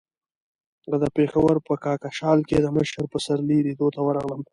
د پېښور په کاکشال کې د مشر پسرلي لیدو ته ورغلم.